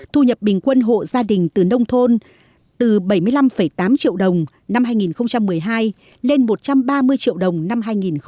thu nhập bình quân hộ gia đình từ nông thôn từ bảy mươi năm tám triệu đồng năm hai nghìn một mươi hai lên một trăm ba mươi triệu đồng năm hai nghìn một mươi